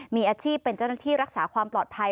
มีอาชีพเป็นเจ้าหน้าที่รักษาความปลอดภัย